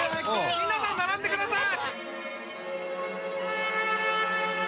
皆さん並んでください！